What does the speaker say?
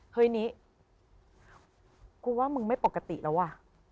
เฮ้ยนี้กูว่ามึงไม่ปกติแล้วว่ะ